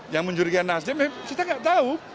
yang mencurigai nasdem kita nggak tahu